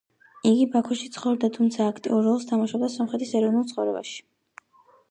იგი ბაქოში ცხოვრობდა, თუმცა, აქტიურ როლს თამაშობდა სომხეთის ეროვნულ ცხოვრებაში.